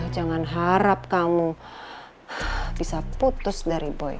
jangan harap kamu bisa putus dari boy